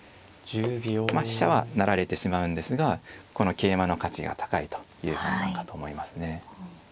飛車は成られてしまうんですがこの桂馬の価値が高いという判断かと思いますね。